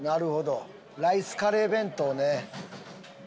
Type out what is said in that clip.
ライスカレー弁当ね。